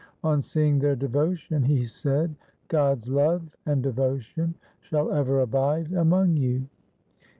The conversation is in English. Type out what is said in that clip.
On seeing their devotion he said, ' God's love and devotion shall ever abide among you.'